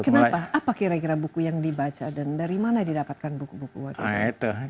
kenapa apa kira kira buku yang dibaca dan dari mana didapatkan buku buku waktu itu